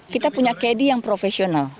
kita punya kd yang profesional